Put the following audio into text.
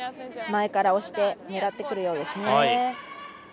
前から押して狙ってくるようですね。